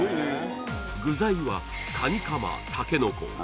具材はカニカマタケノコ